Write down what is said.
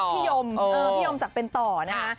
ยมพี่ยมจากเป็นต่อนะคะ